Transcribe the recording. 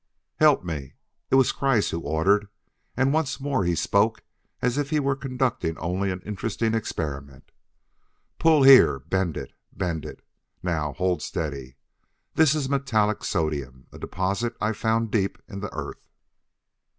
"Help me!" It was Kreiss who ordered, and once more he spoke as if he were conducting only an interesting experiment. "Pull here! Bend it bend it! Now hold steady; this is metallic sodium, a deposit I found deep in the earth."